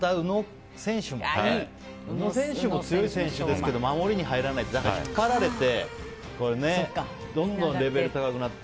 宇野選手も強い選手ですけどだから、引っ張られてどんどんレベルが高くなって。